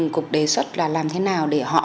cục đề xuất là làm thế nào để họ